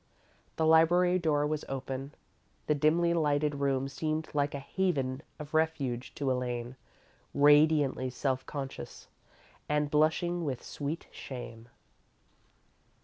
The library door was open, and the dimly lighted room seemed like a haven of refuge to Elaine, radiantly self conscious, and blushing with sweet shame.